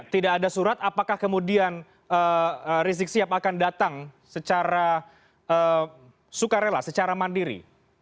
tidak ada surat apakah kemudian rizik sihab akan datang secara sukarela secara mandiri